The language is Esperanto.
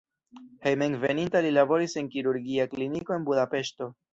Hejmenveninta li laboris en kirurgia kliniko en Budapeŝto.